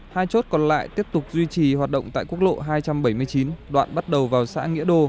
hai chốt còn lại tiếp tục duy trì hoạt động tại quốc lộ hai trăm bảy mươi chín đoạn bắt đầu vào xã nghĩa đô